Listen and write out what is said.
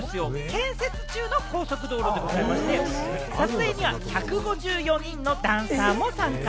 建設中の高速道路でございまして、撮影には１５４人のダンサーも参加。